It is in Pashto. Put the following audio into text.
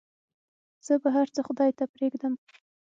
زه به هرڅه خداى ته پرېږدم.